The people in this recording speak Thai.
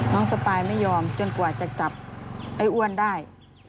สปายไม่ยอมจนกว่าจะจับไอ้อ้วนได้